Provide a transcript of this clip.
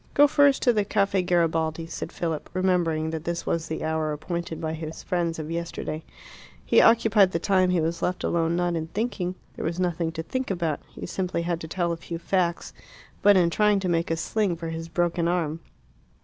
"Go first to the Caffe Garibaldi," said Philip, remembering that this was the hour appointed by his friends of yesterday. He occupied the time he was left alone not in thinking there was nothing to think about; he simply had to tell a few facts but in trying to make a sling for his broken arm.